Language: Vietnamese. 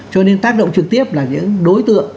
cho nên tác động trực tiếp là những đối tượng